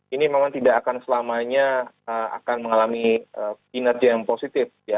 ini memang tidak akan selamanya akan mengalami kinerja yang positif